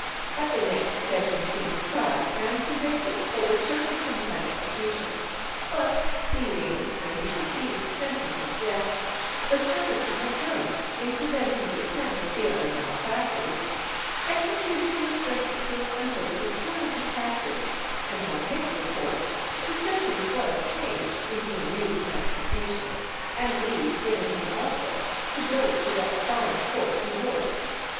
At the next sessions he was tried and convicted for returning from transportation, but pleading, when he received sentence of death, the service he had done in preventing the attempt of the other malefactors, execution was respited until the return of the captain, and on his report the sentence was changed into a new transportation, and leave given him also to go to what foreign port he would.